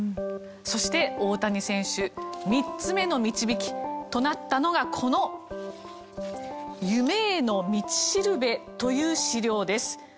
そして大谷選手３つ目の導きとなったのがこの「夢への道しるべ」という資料です。